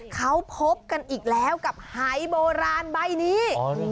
เขาพบกันอีกแล้วกับหายโบราณใบนี้